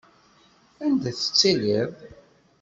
Anda tettiliḍ?